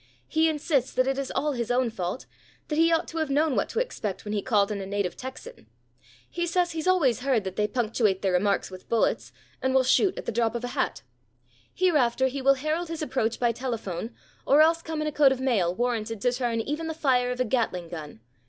"He insists that it is all his own fault, that he ought to have known what to expect when he called on a native Texan. He says he's always heard that they punctuate their remarks with bullets and will shoot at the drop of a hat. Hereafter he will herald his approach by telephone or else come in a coat of mail warranted to turn even the fire of a Gatling gun.